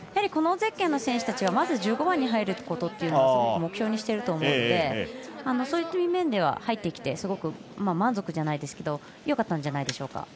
このゼッケンの選手たちはまず１５番に入ることというのをすごく目標にしていると思うのでそういう面では入ってきてすごく満足じゃないですけどよかったんじゃないでしょうか。